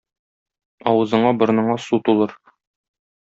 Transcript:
Авызыңа-борыныңа су тулыр.